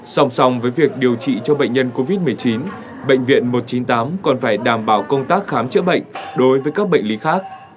song song với việc điều trị cho bệnh nhân covid một mươi chín bệnh viện một trăm chín mươi tám còn phải đảm bảo công tác khám chữa bệnh đối với các bệnh lý khác